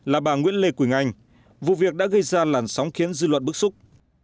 là bà nguyễn lê quỳnh anh vụ việc đã gây ra làn sóng khiến dư luận bức xúc